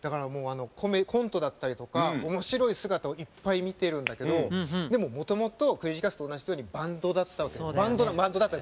コントだったりとかおもしろい姿をいっぱい見てるんだけどでも、もともとクレイジーキャッツと同じようにバンドなわけです。